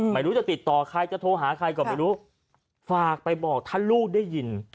ไม่รู้จะติดต่อใครจะโทรหาใครก็ไม่รู้ฝากไปบอกถ้าลูกได้ยิน